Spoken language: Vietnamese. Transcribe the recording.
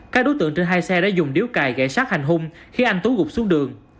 các đối tượng trên hai xe đã dùng điếu cài gãy sát hành hung khi anh tú gục xuống đường